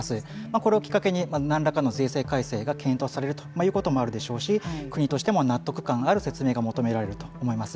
これをきっかけに何らかの税制改正が検討されるということもあるでしょうし国としても納得感ある説明が求められると思います。